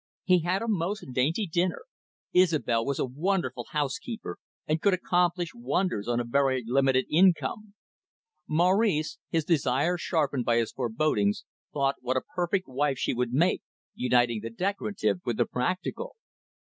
He had a most dainty dinner. Isobel was a wonderful housekeeper, and could accomplish wonders on a very limited income. Maurice, his desire sharpened by his forebodings, thought what a perfect wife she would make, uniting the decorative with the practical.